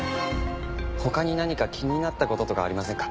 他に何か気になった事とかありませんか？